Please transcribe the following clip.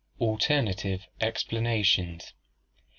Alternative Explanations.